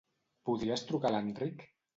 Podries trucar a l'Enric?